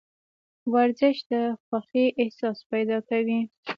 ورزش د خوښې احساس پیدا کوي.